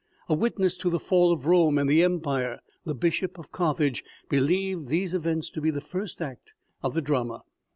A witness to the fall of Rome and the empire, the bishop of Carthage believed these events to be the first act of the drama.